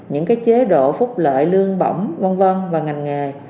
những cái chế độ phúc lợi lương bổng vân vân và ngành nghề